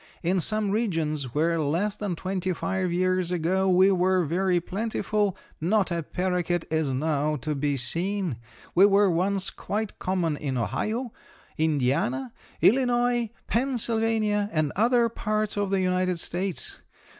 In some regions, where less than twenty five years ago we were very plentiful, not a paroquet is now to be seen. We were once quite common in Ohio, Indiana, Illinois, Pennsylvania, and other parts of the United States.